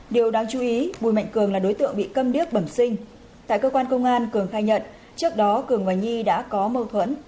điều đáng chú ý bùi mạnh cường là đối tượng bị cầm điếc bẩm sinh tại cơ quan công an cường khai nhận trước đó cường và nhi đã có mâu thuẫn